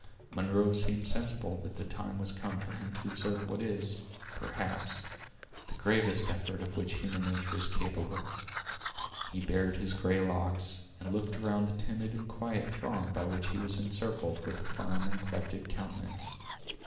Munro seemed sensible that the time was come for him to exert what is, perhaps, the greatest effort of which human nature is capable. He bared his gray locks, and looked around the timid and quiet throng by which he was encircled, with a firm and collected countenance.